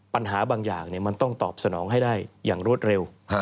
ปัญหาบางอย่างมันต้องตอบสนองให้ได้อย่างรวดเร็ว